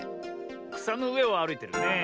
くさのうえをあるいてるねえ。